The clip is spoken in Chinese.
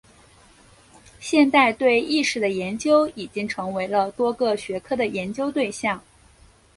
现代对意识的研究已经成为了多个学科的研究对象。